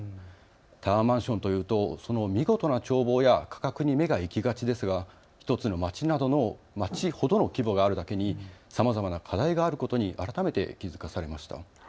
タワーマンションというとその見事な眺望や価格に目が行きがちですが１つの街ほどの規模があるだけにさまざまな課題があることに改めて気付かされました。